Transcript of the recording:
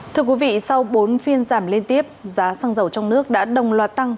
thưa quý vị sau bốn phiên giảm liên tiếp giá xăng dầu trong nước đã đồng loạt tăng